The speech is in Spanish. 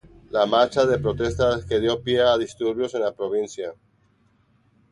La marcha de protesta que dio pie a disturbios en la provincia.